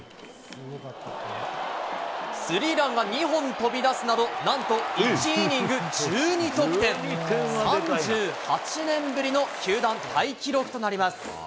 スリーランが２本飛び出すなど、なんと１イニング１２得点、３８年ぶりの球団タイ記録となります。